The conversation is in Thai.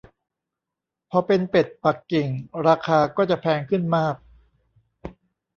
พอเป็นเป็ดปักกิ่ง ราคาก็จะแพงขึ้นมาก